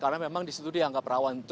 karena memang di situ dianggap rawan